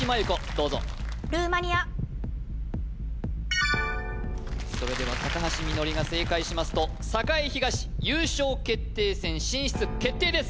どうぞそれではみのりが正解しますと栄東優勝決定戦進出決定です